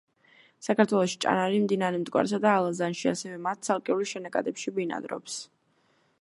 საქართველოში ჭანარი მდინარე მტკვარსა და ალაზანში, ასევე მათ ცალკეულ შენაკადებში ბინადრობს.